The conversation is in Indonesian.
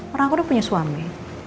orang aku udah punya suami